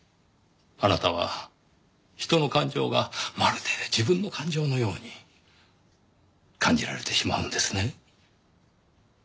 あなたは人の感情がまるで自分の感情のように感じられてしまうんですね。